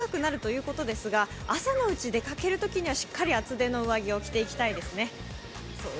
今日は日中、暖かくなるということですが朝のうち出かけるときにはしっかり厚手の上着を着ていきたいですね。